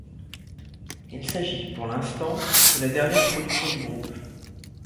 Il s'agit, pour l'instant, de la dernière production du groupe.